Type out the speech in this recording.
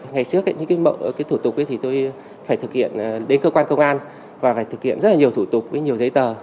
ngày trước những thủ tục thì tôi phải thực hiện đến cơ quan công an và phải thực hiện rất là nhiều thủ tục với nhiều giấy tờ